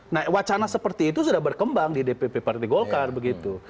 nah wacana seperti itu sudah berkembang di dpp partai golkar begitu